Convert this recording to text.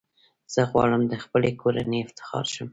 زه غواړم د خپلي کورنۍ افتخار شم .